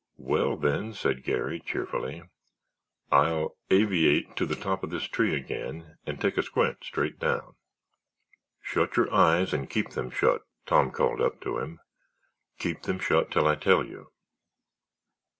"Well, then," said Garry, cheerfully, "I'll aviate to the top of this tree again and take a squint straight down." "Shut your eyes and keep them shut," Tom called up to him; "keep them shut till I tell you."